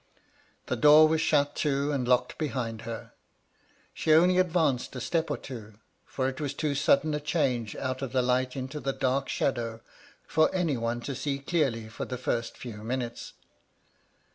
The door was shut to and locked behind her. She only advanced a step or two ; for it was too sudden a change, out of the light into that dark shadow, for any one to MY LADY LUDLOW. 185 see clearly for the first few minutes.